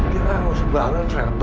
dia mau sembarang terhapun lah ya